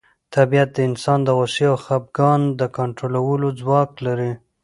طبیعت د انسان د غوسې او خپګان د کنټرولولو ځواک لري.